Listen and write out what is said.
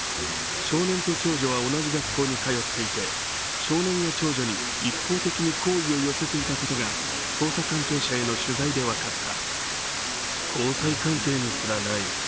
少年と長女は同じ学校に通っていて少年が長女に一方的に好意を寄せていたことが捜査関係者への取材で分かった。